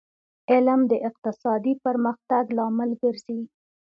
علم د اقتصادي پرمختګ لامل ګرځي